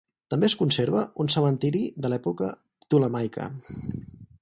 També es conserva un cementiri de l'època ptolemaica.